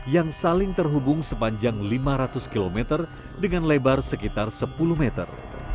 yang saling terhubung sepanjang lima ratus km dengan lebar sekitar sepuluh meter